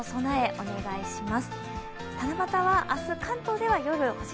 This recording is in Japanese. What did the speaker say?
お願いします。